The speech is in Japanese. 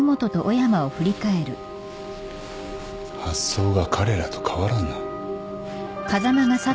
発想が彼らと変わらんな。